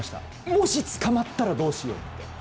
もしつかまったらどうしようって。